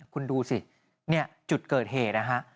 คุณดูสิเนี่ยจุดเกิดเหตุนะฮะ